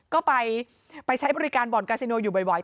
ก็ไปใช้บริการบ่อนกาซิโนอยู่บ่อย